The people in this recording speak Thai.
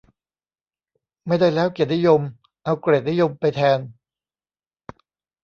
ไม่ได้แล้วเกียรตินิยม เอาเกรดนิยมไปแทน